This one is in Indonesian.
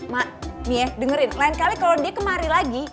mak nih ya dengerin lain kali kalo dia kemari lagi